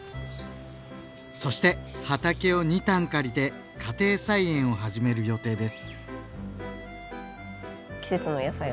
そして畑を２反借りて家庭菜園を始める予定です。